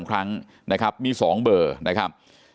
ครั้งนะครับมี๒เบอร์นะครับ